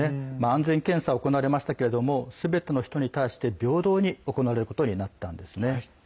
安全検査は行われましたけどもすべての人に対して平等に行われることになったんですね。